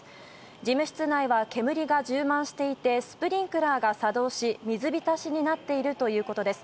事務室内は煙が充満していてスプリンクラーが作動し水浸しになっているということです。